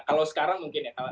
kalau sekarang mungkin ya